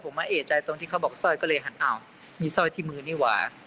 ผมมาเอกใจตรงที่เขาบอกสร้อยก็เลยหันอ้าวมีสร้อยที่มือนี่หว่า